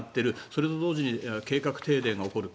それと同時に計画停電が起こる。